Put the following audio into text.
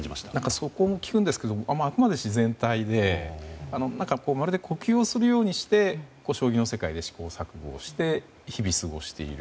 そこを聞くんですけどあくまで自然体でまるで呼吸をするようにして将棋の世界で試行錯誤をして日々、過ごしている。